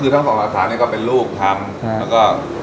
ตอนนี้มีกี่สาขา